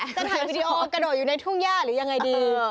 จะถ่ายวิดีโอกระโดดอยู่ในทุ่งย่าหรือยังไงดี